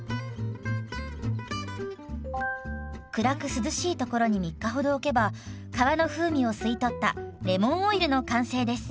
暗く涼しいところに３日ほど置けば皮の風味を吸い取ったレモンオイルの完成です。